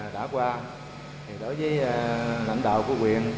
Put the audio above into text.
đã qua đối với lãnh đạo của quyền